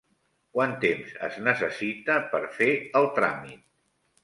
Quant temps es necessita per fer el tràmit?